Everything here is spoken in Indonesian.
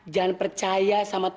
jangan percaya sama apu